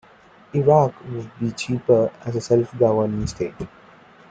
Iraq would be cheaper as a self-governing state.